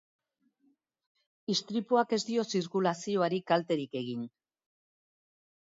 Istripuak ez dio zirkulazioari kalterik egin.